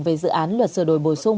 về dự án luật sửa đổi bổ sung